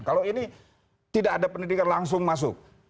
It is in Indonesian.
kalau ini tidak ada pendidikan langsung masuk